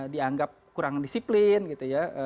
dianggap kurang disiplin gitu ya